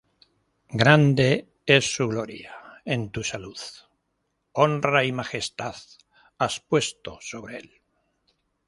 Grande es su gloria en tu salud: Honra y majestad has puesto sobre él.